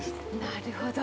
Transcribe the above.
なるほど。